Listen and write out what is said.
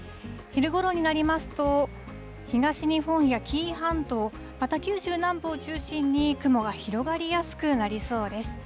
昼ごろになりますと、東日本や紀伊半島、また、九州南部を中心に、雲が広がりやすくなりそうです。